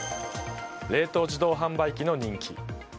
冷凍自動販売機の人気。